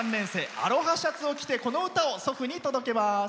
アロハシャツを着てこの歌を祖父に届けます。